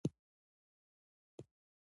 وايي چې دوى په ولاړو بولې کيې.